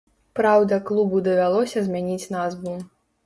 Праўда, клубу давялося змяніць назву.